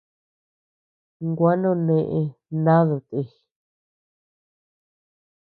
Gua none mnadu ti.